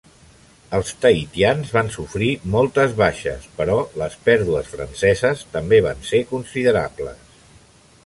Els tahitians van sofrir moltes baixes, però les pèrdues franceses també van ser considerables.